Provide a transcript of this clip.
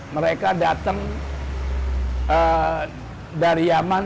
mereka datang dari yaman